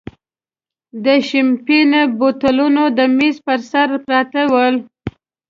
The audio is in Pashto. د شیمپین بوتلونه د مېز پر سر پراته ول.